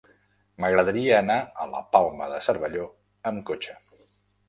M'agradaria anar a la Palma de Cervelló amb cotxe.